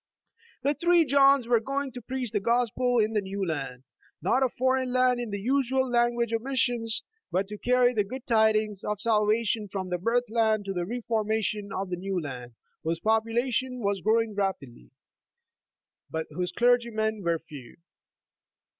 The three Johns were going to preach the Gospel in the ''New Land," not a foreign land in the usual Ian guage of missions, but to carry the good tidings of sal vation from the birthland of the Reformation to the ''New Land," whose population was growing rapidly, but whose clergymen were few.